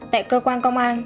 tại cơ quan công an